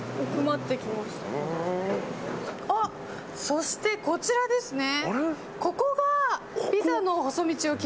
そして、こちらですね。